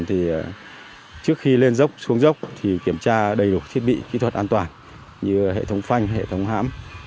thì trước khi lên dốc xuống dốc thì kiểm tra đầy đủ thiết bị kỹ thuật an toàn như hệ thống phanh hệ thống hãm